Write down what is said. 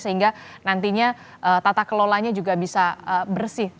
sehingga nantinya tata kelolanya juga bisa bersih